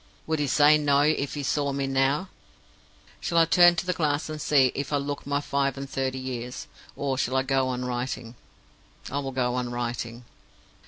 Would he say No if he saw me now? Shall I turn to the glass and see if I look my five and thirty years? or shall I go on writing? I will go on writing.